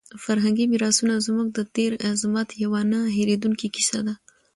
فرهنګي میراثونه زموږ د تېر عظمت یوه نه هېرېدونکې کیسه ده.